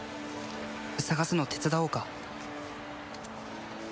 捜すの手伝おうか？